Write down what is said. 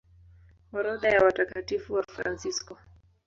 Orodha ya Watakatifu Wafransisko